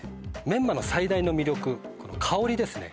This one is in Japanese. メンマの最大の魅力この香りですね